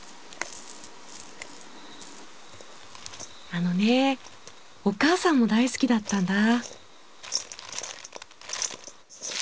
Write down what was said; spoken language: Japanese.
あのねお母さんも大好きだったんだ。